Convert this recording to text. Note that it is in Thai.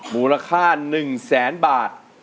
มูลค่า๑๐๐๐๐๐บาท